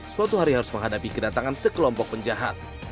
suatu hari harus menghadapi kedatangan sekelompok penjahat